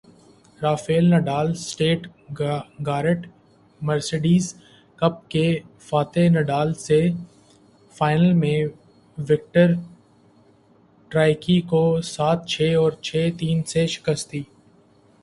Rafale Nadal Stuttgart Mercedes Cup کے فاتح Nadal نے فائنل میں وکٹر ٹرائیکی کو سات چھے اور چھے تین سے شکست دی